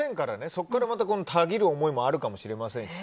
そこからたぎる思いもあるかもしれませんし。